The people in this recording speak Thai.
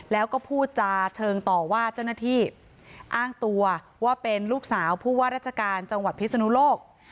แล้วก็พูดจาเชิงต่อว่าเจ้าหน้าที่อ้างตัวว่าเป็นลูกสาวผู้ว่าราชการจังหวัดพิศนุโลก